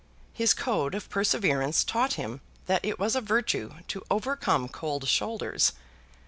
His code of perseverance taught him that it was a virtue to overcome cold shoulders.